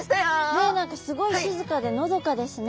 ねえ何かすごい静かでのどかですね。